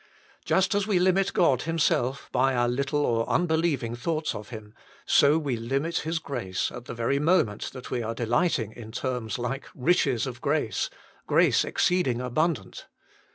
Just as we limit God Himself, by our little or unbelieving thoughts of Him, so we limit His grace at the very moment that we are delighting in terms like the "riches of grace," "grace exceeding abundant."